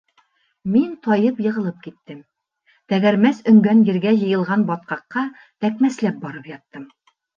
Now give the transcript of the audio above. Мин тайып йығылып киттем, тәгәрмәс өңгән ергә йыйылған батҡаҡҡа тәкмәсләп барып яттым.